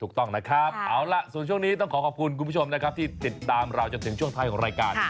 ถูกต้องนะครับเอาล่ะส่วนช่วงนี้ต้องขอขอบคุณคุณผู้ชมนะครับที่ติดตามเราจนถึงช่วงท้ายของรายการ